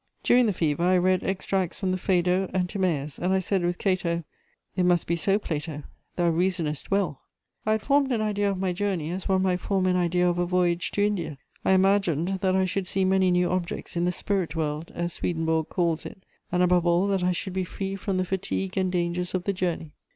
During the fever I read extracts from the Phædo and Timæus, and I said with Cato: "'It must be so, Plato; thou reason'st well!' "I had formed an idea of my journey as one might form an idea of a voyage to India. I imagined that I should see many new objects in the 'spirit world,' as Swedenborg calls it, and above all that I should be free from the fatigue and dangers of the journey."